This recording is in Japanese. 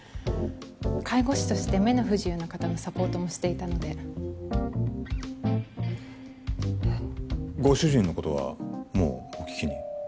介護士として目の不自由な方のサポートもしていたのでご主人のことはもうお聞きに？